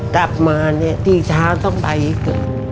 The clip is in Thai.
กลับมาทีเท้าต้องไปอีก